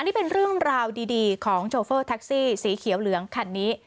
นี่เป็นเรื่องราวดีของโชเฟอร์แท็กซี่สีเขียวเหลืองคันนี้